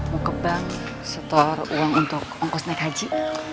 mau ke bank setor uang untuk ongkos naik haji